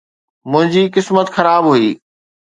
منھنجي قسمت خراب هئي